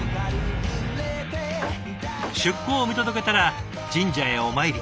出港を見届けたら神社へお参り。